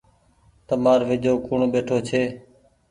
تمآر ويجهو ڪوڻ ٻيٺو ڇي۔